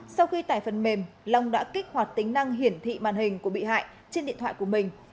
sau khi tải phần mềm long đã kích hoạt tính năng hiển thị màn hình của bị hại trên điện thoại của mình